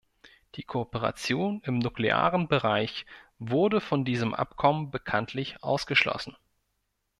Die Kooperation im nuklearen Bereich wurde von diesem Abkommen bekanntlich ausgeschlossen.